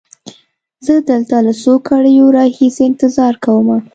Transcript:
زه دلته له څو ګړیو را هیسې انتظار کومه.